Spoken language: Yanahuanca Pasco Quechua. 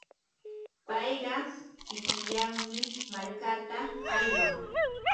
payqa kikillanmi markata aywan.